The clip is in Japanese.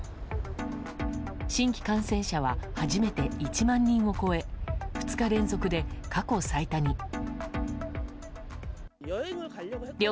新規感染者は初めて１万人を超え２日連続で過去最多に。